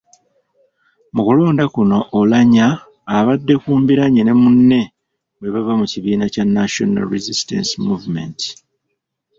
Mu kulonda kuno Oulanyah abadde ku mbiranye ne munne bwe bava ku kibiina kya National Resistance Movement.